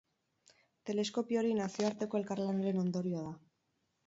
Teleskopio hori nazioarteko elkarlanaren ondorioa da.